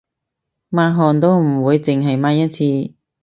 抹汗都唔會淨係抹一次